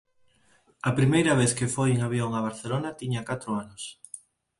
A primeira vez que foi en avión a Barcelona tiña catro anos.